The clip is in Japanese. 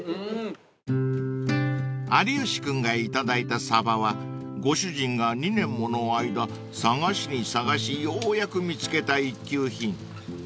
［有吉君が頂いたサバはご主人が２年もの間探しに探しようやく見つけた一級品］